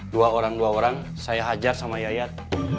dua orang dua orang saya hajar sama yayat